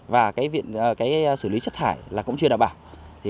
và xử lý chất thải là cũng chưa đảm bảo